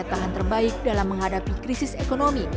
tantangan terbaik dalam menghadapi krisis ekonomi